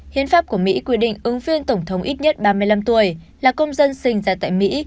hiến pháp của mỹ quy định ứng viên tổng thống ít nhất ba mươi năm tuổi là công dân sinh ra tại mỹ